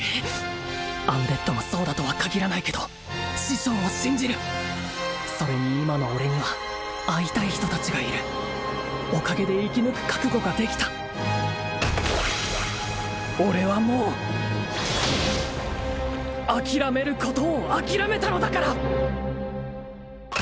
アンデッドもそうだとは限らないけど師匠を信じるそれに今の俺には会いたい人達がいるおかげで生き抜く覚悟ができた俺はもう諦めることを諦めたのだから！